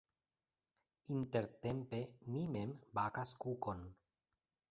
Intertempe mi mem bakas kukon.